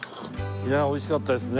いや美味しかったですね。